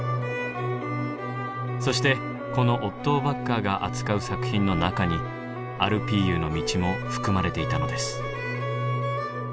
そしてこのオットー・ヴァッカーが扱う作品の中に「アルピーユの道」も含まれていたのです。